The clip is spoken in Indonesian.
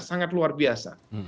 sangat luar biasa